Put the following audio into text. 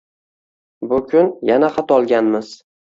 Bu kun yana xat olganmiz